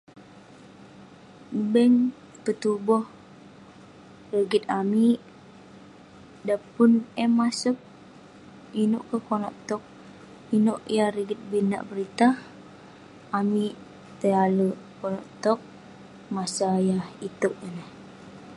bank petuboh rigit amik, dan pun eh masek, inouk kerk konak towk..inouk yah rigit bi nak peritah, amik tai alek..konak towk masa yah itouk ineh..